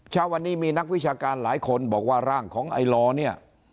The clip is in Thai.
เช้าวันนี้มีนักวิชาการหลายคนบอกว่าร่างของไอลอเนี่ย